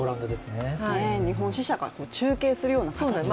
日本支社が中継するような形で。